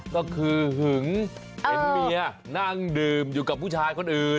ก็คือหึงเห็นเมียนั่งดื่มอยู่กับผู้ชายคนอื่น